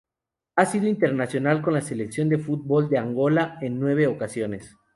Ha sido internacional con la Selección de fútbol de Angola en nueve ocasiones.